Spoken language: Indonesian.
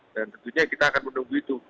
dan tentunya kita akan menunggu itu